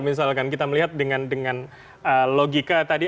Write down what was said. misalkan kita melihat dengan logika tadi